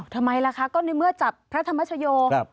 ทำไมล่ะคะก็ในเมื่อจับพระธรรมชโย